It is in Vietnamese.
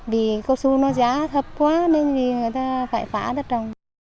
vì cao su giá thấp quá nên người ta phải phá để trồng